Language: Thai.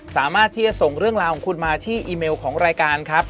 สามารถที่จะส่งเรื่องราวของคุณมาที่อีเมลของรายการครับ